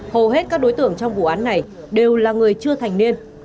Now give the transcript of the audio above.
hầu hết các đối tượng trong vụ án này đều là người chưa thành niên